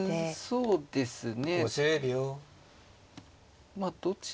そうですね。